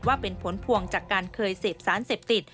ว่าเป็นผลพวงจากการเคยเสพสารเสพติด